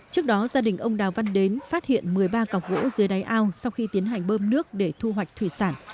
trước đó gia đình ông đào văn đến phát hiện một mươi ba cọc gỗ dưới đáy ao sau khi tiến hành bơm nước để thu hoạch thủy sản